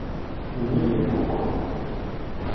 Ունի երկու կոն։